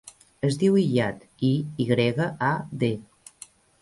Es diu Iyad: i, i grega, a, de.